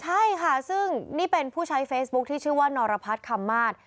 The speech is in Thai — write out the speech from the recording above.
ใช่ค่ะซึ่งนี่เป็นผู้ใช้เฟซบุ๊คที่ชื่อว่านรพัฒน์คำมาศ